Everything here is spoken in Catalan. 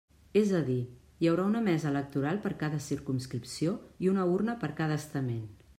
És a dir, hi haurà una mesa electoral per cada circumscripció i una urna per cada estament.